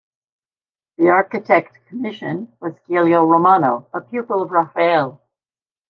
The architect commissioned was Giulio Romano, a pupil of Raphael.